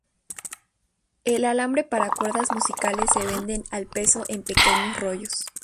El alambre para cuerdas musicales se vende al peso en pequeños rollos.